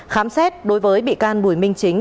khám xét đối với bị can bùi minh chính